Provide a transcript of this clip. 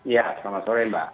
ya selamat sore mbak